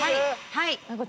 はい。